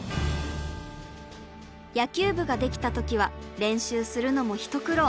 野球部ができた時は練習するのも一苦労。